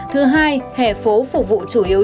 thứ hai hẻ phố phục vụ chủ yếu